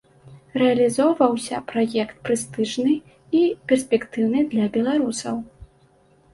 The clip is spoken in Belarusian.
Рэалізоўваўся праект прэстыжны і перспектыўны для беларусаў.